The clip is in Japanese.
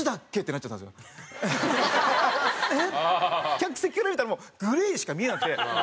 客席から見たらもう「ＧＬＡＹ」しか見えなくて。